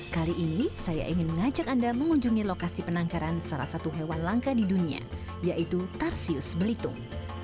kali ini saya ingin mengajak anda mengunjungi lokasi penangkaran salah satu hewan langka di dunia yaitu tarsius belitung